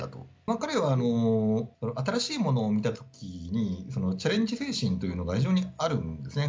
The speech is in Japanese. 彼は新しいものを見たときに、チャレンジ精神というのが非常にあるんですね。